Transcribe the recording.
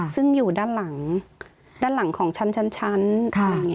ซึ่งอยู่ด้านหลังของชั้นอย่างนี้ค่ะ